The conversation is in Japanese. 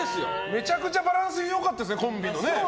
めちゃくちゃバランス良かったですね、コンビの。